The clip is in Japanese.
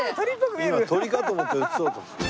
今鳥かと思って写そうと。